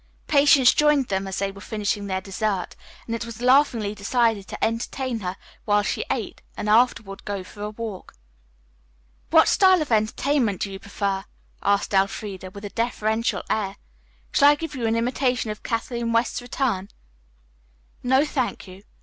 Patience joined them as they were finishing their dessert, and it was laughingly decided to entertain her while she ate, and afterward go for a walk. "What style of entertainment do you prefer?" asked Elfreda, with a deferential air. "Shall I give you an imitation of Kathleen West's return?" "No, thank you.